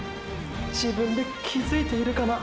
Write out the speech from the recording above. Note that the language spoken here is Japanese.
自分で気づいているかな。